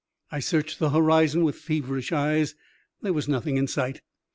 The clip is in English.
I searched the horizon with feverish eyes ; there was nothing in sight.